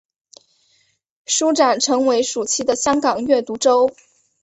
书展成为暑期的香港阅读周。